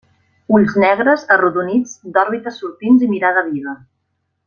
Ulls negres, arrodonits, d'òrbites sortints i mirada viva.